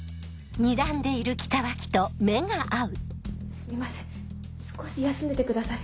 すみません少し休んでてください。